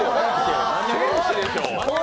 天使でしょ！